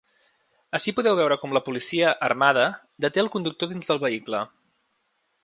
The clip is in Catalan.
Ací podeu veure com la policia, armada, deté el conductor dins del vehicle.